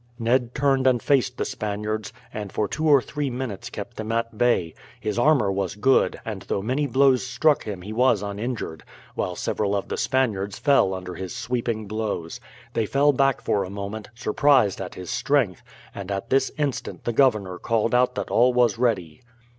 Ned turned and faced the Spaniards, and for two or three minutes kept them at bay. His armour was good, and though many blows struck him he was uninjured, while several of the Spaniards fell under his sweeping blows. They fell back for a moment, surprised at his strength; and at this instant the governor called out that all was ready.